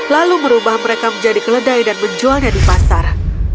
lalu merubah mereka menjadi keledai dan menjualnya di pasar